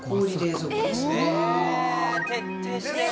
徹底してる。